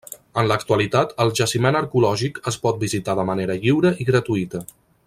En l'actualitat, el jaciment arqueològic es pot visitar de manera lliure i gratuïta.